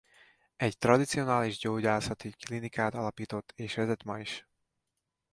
Egy tradicionális gyógyászati klinikát alapított és vezet ma is.